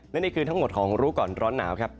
และนี่คือทั้งหมดของรู้ก่อนร้อนหนาวครับ